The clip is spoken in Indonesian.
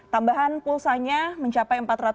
tambahan pulsanya mencapai empat ratus